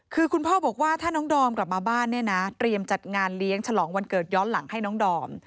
คือคุณพ่อบอกว่าถ้าน้องดอมกลับมาบ้านเนี่ยนะเตรียมจัดงานเลี้ยงฉลองวันเกิดย้อนหลังให้น้องดอม